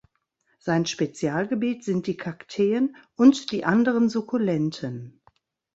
Sein Spezialgebiet sind die Kakteen und die anderen Sukkulenten.